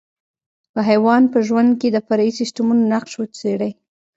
په حیوان په ژوند کې د فرعي سیسټمونو نقش وڅېړئ.